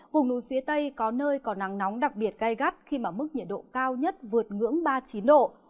vùng núi phía tây có nơi có nắng nóng đặc biệt gai gắt khi mà mức nhiệt độ cao nhất vượt ngưỡng ba mươi chín độ